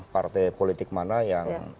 partai politik mana yang